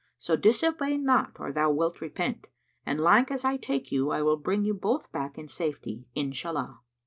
So disobey not or thou wilt repent; and like as I take you, I will bring you both back in safety, Inshallah!"